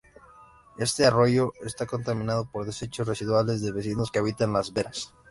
Este arroyo esta contaminado por desechos residuales de vecinos que habitan las veras.